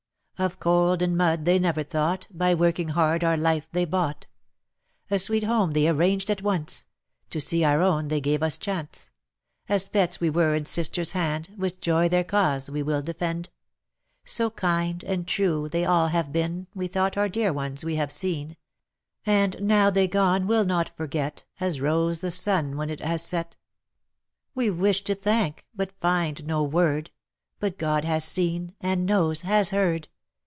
Of cold and mud they never thought, By working hard our life they bought; A sweet home they arranged at once, — To see our own they gave us chance. As pets we were in sister's hand. With joy their cause we will defend; So kind and true they all have been We thought our dear ones we have seen, And now they gone we'll not forget, As rose the sun when it has set. We wish to thank, but find no word. But God has seen, and knows, has heard.